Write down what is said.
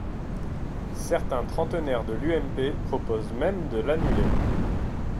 Certains trentenaires de l’UMP proposent même de l’annuler.